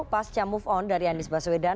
pasca move on dari anies baswedan